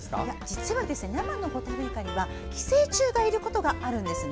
実は、生のホタルイカには寄生虫がいることがあるんです。